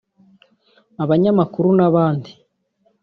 abanyamakuru n’abandi